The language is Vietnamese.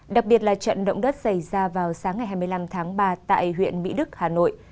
đặc biệt là trận động đất xảy ra vào sáng ngày hai mươi năm tháng ba tại huyện mỹ đức hà nội